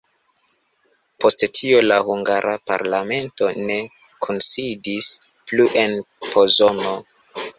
Post tio la hungara parlamento ne kunsidis plu en Pozono.